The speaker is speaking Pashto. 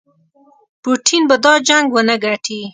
پوټین به دا جنګ ونه ګټي.